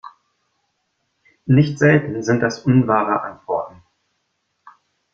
Nicht selten sind das unwahre Antworten.